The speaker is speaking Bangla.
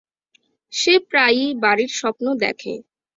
সে প্রায়ই বাড়ির স্বপ্ন দেখে।